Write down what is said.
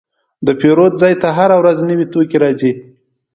د پیرود ځای ته هره ورځ نوي توکي راځي.